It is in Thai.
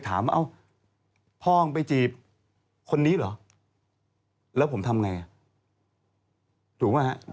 ถูกหรือยังฮะ